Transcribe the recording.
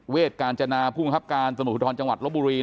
เวทกาลจำนาผู้งครับการสมคุณถวรแจงวัดระบุรี